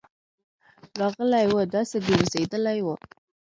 راغلی وو، داسي ګرځيدلی وو: